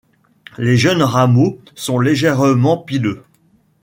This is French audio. Les jeunes rameaux sont légèrement pileux.